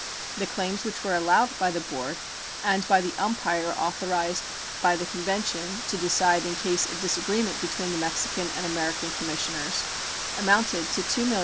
The claims which were allowed by the board and by the umpire authorized by the convention to decide in case of disagreement between the Mexican and American commissioners amounted to $2,026,139.